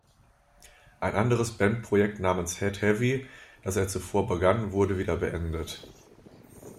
Ein anderes Band-Projekt namens "Head Heavy", das er zuvor begann, wurde wieder beendet.